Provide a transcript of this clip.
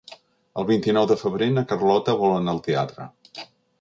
El vint-i-nou de febrer na Carlota vol anar al teatre.